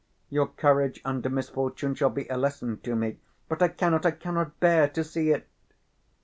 Your courage under misfortune shall be a lesson to me, but I cannot, I cannot bear to see it."